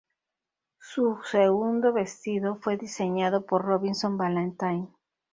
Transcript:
Su segundo vestido fue diseñado por Robinson Valentine.